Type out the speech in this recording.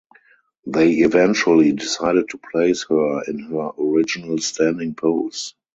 They eventually decided to place her in her original standing pose.